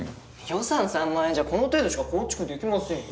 予算３万円じゃこの程度しか構築できませんよ。